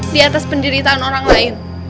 di atas penderitaan orang lain